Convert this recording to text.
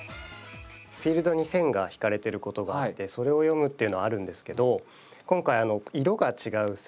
フィールドに線が引かれてることがあってそれを読むっていうのはあるんですけど今回色が違う線。